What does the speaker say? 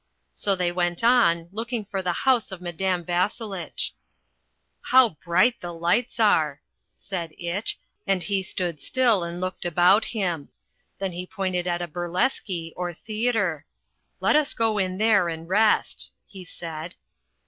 So they went on, looking for the house of Madame Vasselitch. "How bright the lights are!" said Itch, and he stood still and looked about him. Then he pointed at a burleski, or theatre. "Let us go in there and rest," he said.